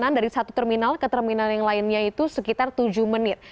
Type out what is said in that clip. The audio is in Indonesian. perjalanan dari satu terminal ke terminal yang lainnya itu sekitar tujuh menit